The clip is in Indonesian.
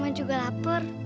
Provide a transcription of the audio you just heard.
mama juga lapar